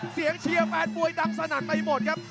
เสียงเฉียวแฟนมวยดำสนัขไปหมดครับ